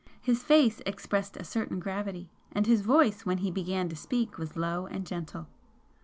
His face expressed a certain gravity, and his voice when he began to speak was low and gentle.